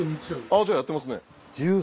じゃあやってますね。